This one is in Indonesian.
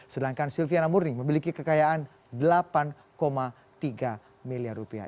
sedangkan silviana murni memiliki kekayaan delapan tiga miliar rupiah